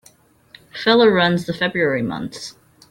Feller runs the February months.